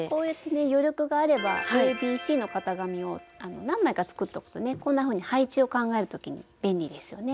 余力があればＡＢＣの型紙を何枚か作っておくとねこんなふうに配置を考える時に便利ですよね。